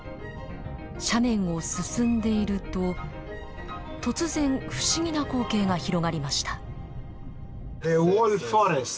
斜面を進んでいると突然不思議な光景が広がりました。